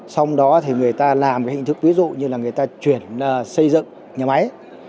xong đó thì người ta làm cái hình thức ví dụ như là người ta chuyển xây dựng nhà máy